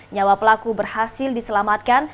nyawa pelaku berhasil diselamatkan